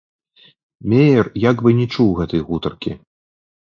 Меер як бы не чуў гэтай гутаркі.